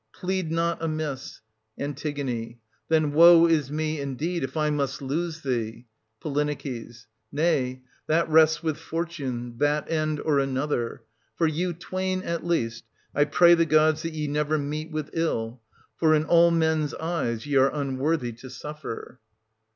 Plead not amiss. An. Then woe is me, indeed, if I must lose thee ! Po. Nay, that rests with Fortune, — that end or another. — For you twain, at least, I pray the gods that ye never meet with ill ; for in all men's eyes ye are unworthy to suffer.